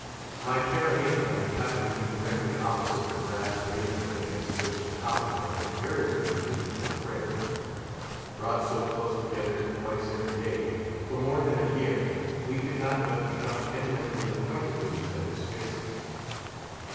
My carronade gun happened to be directly opposite the brass railing against which the Commodore invariably leaned at prayers. Brought so close together, twice every day, for more than a year, we could not but become intimately acquainted with each other's faces.